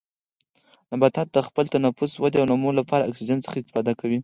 نباتات د خپل تنفس، ودې او نمو لپاره له اکسیجن څخه استفاده کوي.